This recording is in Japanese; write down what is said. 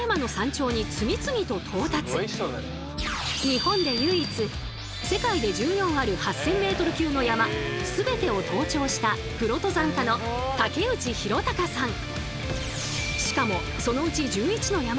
日本で唯一世界で１４ある８，０００ｍ級の山全てを登頂したプロ登山家の竹内洋岳さん。